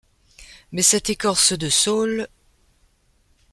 Mais cette écorce de saule. .